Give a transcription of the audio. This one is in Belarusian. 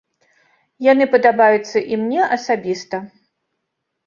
Яны падабаюцца і мне асабіста.